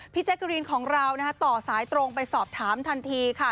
แจ๊กกะรีนของเราต่อสายตรงไปสอบถามทันทีค่ะ